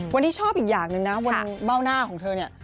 วันนี้ชอบอีกอย่างหนึ่งนะบนเบ้าหน้าของเธอเนี่ย